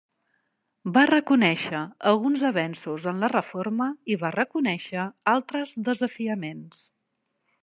Va reconèixer alguns avenços en la reforma i va reconèixer altres desafiaments.